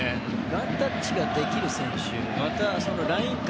ワンタッチができる選手またライン間。